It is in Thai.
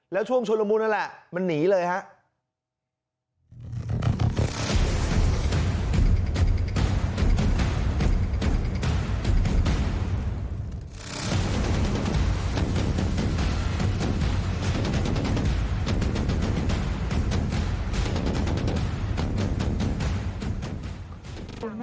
แล้วช่วงชุดละมุนนั่นแหละมันหนีเลยครับ